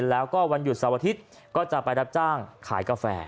แล้วก็วันหยุดเสาร์อาทิตย์ก็จะไปรับจ้างขายกาแฟ